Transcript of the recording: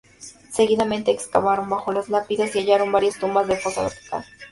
Seguidamente excavaron bajo las lápidas y hallaron varias tumbas de fosa vertical.